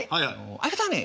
相方はね